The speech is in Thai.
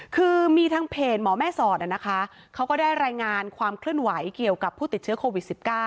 คือมีทางเพจหมอแม่สอดนะคะเขาก็ได้รายงานความเคลื่อนไหวเกี่ยวกับผู้ติดเชื้อโควิด๑๙